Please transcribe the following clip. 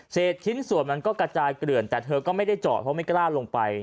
ชิ้นส่วนมันก็กระจายเกลื่อนแต่เธอก็ไม่ได้จอดเพราะไม่กล้าลงไป